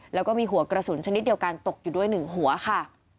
แล้วก็มีหัวกระสุนชนิดเดียวกันตกอยู่ด้วย๑หัวค่ะ